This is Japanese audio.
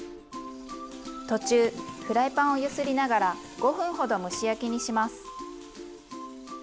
途中フライパンを揺すりながら５分ほど蒸し焼きにします。